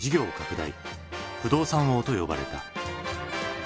不動産王と呼ばれた。